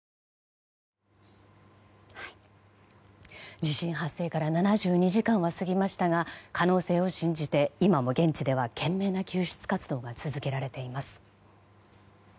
地震発生から７２時間は過ぎましたが可能性を信じて、今も現地では懸命な救出活動が続けられています。